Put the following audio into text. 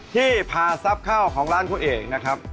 ที่พาทรัพย์ข้าวของร้านพระเอกนะครับ